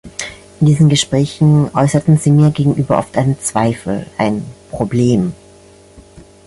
In diesen Gesprächen äußerten sie mir gegenüber oft einen Zweifel, ein Problem.